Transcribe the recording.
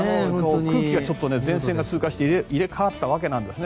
空気が、前線が通過して入れ替わったわけなんですね。